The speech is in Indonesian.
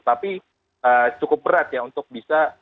tapi cukup berat ya untuk bisa